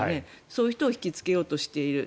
そういう人を引きつけようとしている。